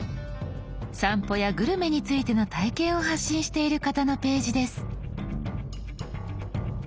散歩やグルメについての体験を発信している方のページです。